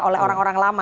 oleh orang orang lama